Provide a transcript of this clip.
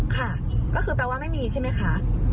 ค่ะก็คือแปลว่าไม่มีใช่ไหมคะ